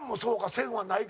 線はないか。